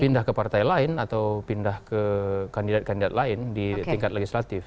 pindah ke partai lain atau pindah ke kandidat kandidat lain di tingkat legislatif